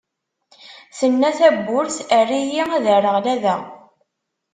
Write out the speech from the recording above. Tenna tebburt : err-iyi, ad rreɣ lada!